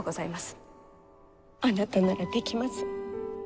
あなたならできます。